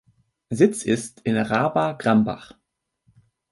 Sitz ist in Raaba-Grambach.